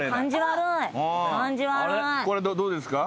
これどうですか？